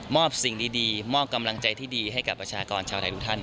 สิ่งดีมอบกำลังใจที่ดีให้กับประชากรชาวไทยทุกท่าน